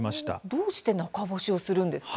どうして中干しをするんですか。